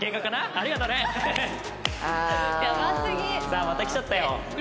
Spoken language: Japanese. さあまた来ちゃったよ。